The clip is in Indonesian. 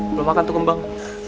belom makan tuh kembang